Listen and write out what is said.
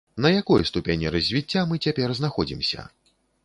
На якой ступені развіцця мы цяпер знаходзімся?